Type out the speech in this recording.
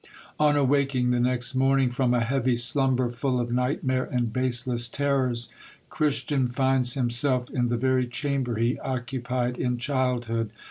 On awaking the next morning from a heavy slumber, full of nightmare and baseless terrors, Christian finds himself in the very chamber he oc cupied in childhood.